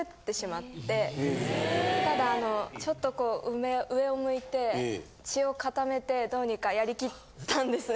ただあのちょっとこう上を向いて血を固めてどうにかやりきったんですね